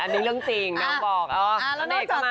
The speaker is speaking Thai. อันนี้เรื่องจริงน้องบอกณเดชน์เข้ามา